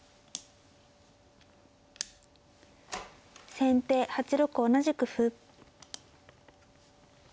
先手８六同じく歩。